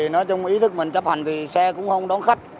nói chung ý thức mình chấp hành vì xe cũng không đón khách